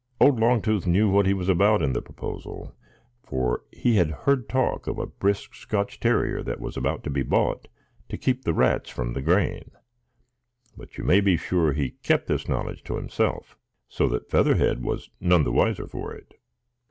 Old Longtooth knew what he was about in the proposal, for he had heard talk of a brisk Scotch terrier that was about to be bought to keep the rats from the grain; but you may be sure he kept his knowledge to himself, so that Featherhead was none the wiser for it.